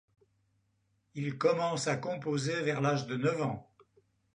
Il commence à composer vers l'âge de neuf ans.